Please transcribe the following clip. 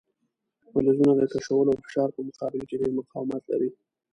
فلزونه د کشولو او فشار په مقابل کې ډیر مقاومت لري.